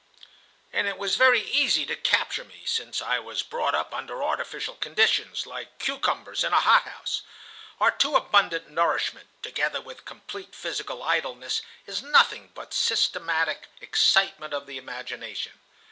"And it was very easy to capture me, since I was brought up under artificial conditions, like cucumbers in a hothouse. Our too abundant nourishment, together with complete physical idleness, is nothing but systematic excitement of the imagination.